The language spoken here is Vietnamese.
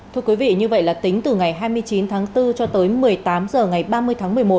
thưa quý vị như vậy là tính từ ngày hai mươi chín tháng bốn cho tới một mươi tám h ngày ba mươi tháng một mươi một